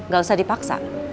gak usah dipaksa